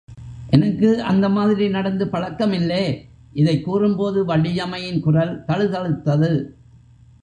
எனக்கு அந்த மாதிரி நடந்து பழக்கம் இல்லே, இதை கூறும்போது வள்ளியம்மையின் குரல் தழுதழுத்தது.